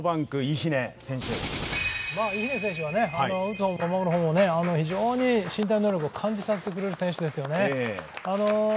イヒネ選手は打つ方も守る方も非常に身体能力を感じさせてくれる選手ですよね。